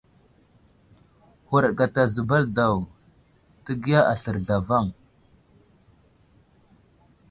Huraɗ gata zəbal daw ,təgiya aslər zlavaŋ.